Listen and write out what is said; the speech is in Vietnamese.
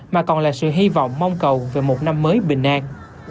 mà còn là sự hy vọng mong cầu về một năm mới bình an